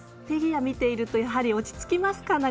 フィギュア見ているとやはり落ち着きますか？